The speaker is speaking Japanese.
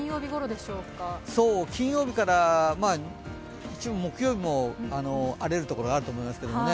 金曜日から、一部木曜日も荒れる所があると思いますけどね。